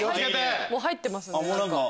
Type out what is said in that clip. もう入ってますね。